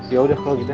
yaudah kalau gitu ya